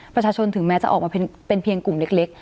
ประชาชนถึงแม้จะออกมาเป็นเพียงกลุ่มเล็ก